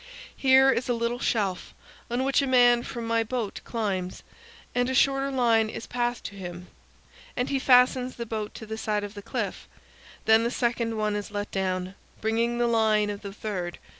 Here is a little shelf, on which a man from my boat climbs, and a shorter line is passed to him, and he fastens the boat to the side of the cliff; then the second one is let down, bringing the line of the third.